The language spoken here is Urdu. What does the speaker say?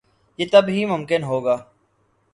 یہ تب ہی ممکن ہو گا۔